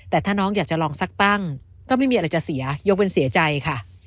แต่ถ้าน้องอยากจะลองสักตั้งก็ไม่มีอะไรจะเสียยกเป็นเสียใจค่ะ